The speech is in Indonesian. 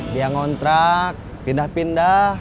dia ngontrak pindah pindah